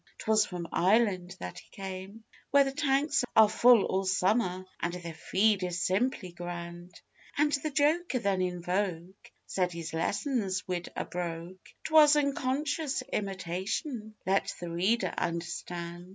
'Twas from Ireland that he came, Where the tanks are full all summer, and the feed is simply grand; And the joker then in vogue said his lessons wid a brogue 'Twas unconscious imitation, let the reader understand.